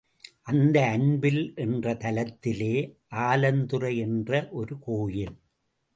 அந்த அன்பில் என்ற தலத்திலே, ஆலந்துறை என்ற ஒரு கோயில்.